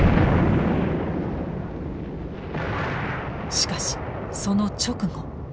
しかしその直後。